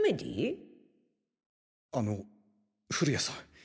あの降谷さん。